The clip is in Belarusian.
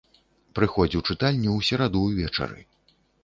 Прыходзь ў чытальню ў сераду ўвечары.